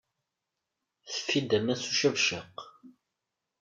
Teffi-d aman s ucabcaq.